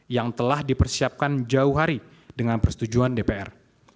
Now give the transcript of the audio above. yang telah dipersiapkan jauh hari dengan persetujuan dpr